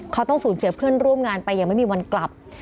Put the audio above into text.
เขาต้องสูญเสียเพื่อนร่วมงานไปอย่างไม่มีวันกลับ